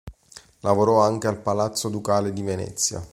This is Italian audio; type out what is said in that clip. Lavorò anche al Palazzo Ducale di Venezia.